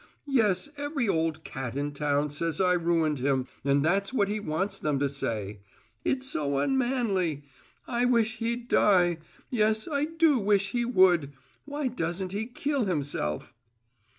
Yes, every old cat in town says I ruined him, and that's what he wants them to say. It's so unmanly! I wish he'd die! Yes, I do wish he would! Why doesn't he kill himself?"